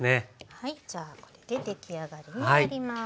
じゃあこれで出来上がりになります。